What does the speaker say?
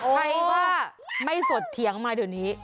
ใครว่าไม่สดเถียงมาเดี๋ยวนี้